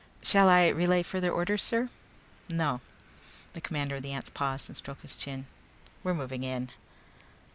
"Shall I relay further orders, sir?" "No." The commander of the ants paused and stroked his chin. "We're moving in."